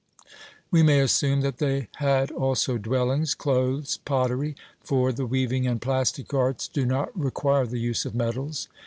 We may assume that they had also dwellings, clothes, pottery, for the weaving and plastic arts do not require the use of metals.